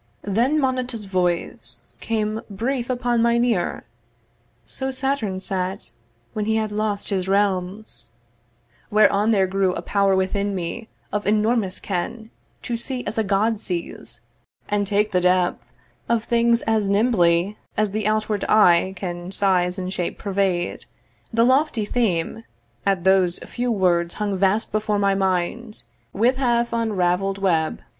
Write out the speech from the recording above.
Then Moneta's voice Came brief upon mine ear 'So Saturn sat When he had lost his realms ' whereon there grew A power within me of enormous ken To see as a god sees, and take the depth Of things as nimbly as the outward eye Can size and shape pervade. The lofty theme At those few words hung vast before my mind, With half unravel'd web.